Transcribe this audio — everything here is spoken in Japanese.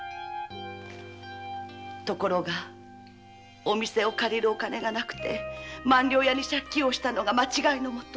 ところがお店を借りるお金を万両屋から借金したのが間違いのもと。